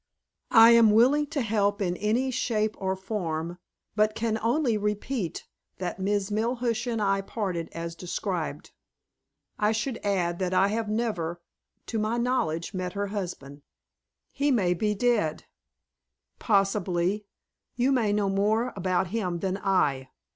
"I am willing to help in any shape or form, but can only repeat that Miss Melhuish and I parted as described. I should add that I have never, to my knowledge, met her husband." "He may be dead." "Possibly. You may know more about him than I."